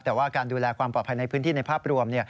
แต่ว่าการดูแลความปลอดภัยในพื้นที่ในภาพรวม